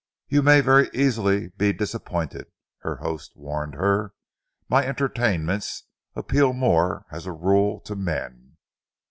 "You may very easily be disappointed," her host warned her. "My entertainments appeal more, as a rule, to men."